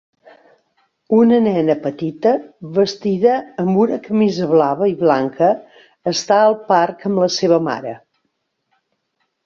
Una nena petita vestida amb una camisa blava i blanca està al parc amb la seva mare.